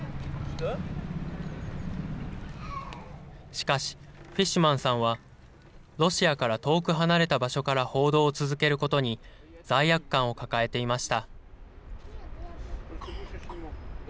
しかし、フィッシュマンさんは、ロシアから遠く離れた場所から報道を続けることに罪悪感を抱えていました。